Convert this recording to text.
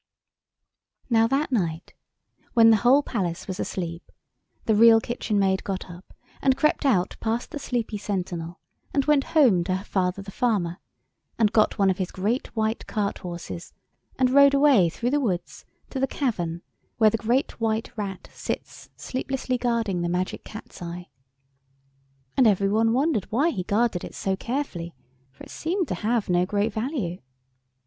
Now that night, when the whole palace was asleep, the Real Kitchen Maid got up and crept out past the sleepy sentinel and went home to her father the farmer and got one of his great white cart horses and rode away through the woods to the cavern where the Great White Rat sits sleeplessly guarding the Magic Cat's eye. And every one wondered why he guarded it so carefully, for it seemed to have no great value.